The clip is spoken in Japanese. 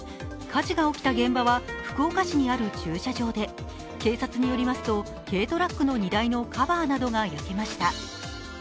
火事が起きた現場は福岡市にある駐車場で警察によりますと、軽トラックの荷台のカバーなどが焼けました。